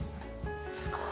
すごい。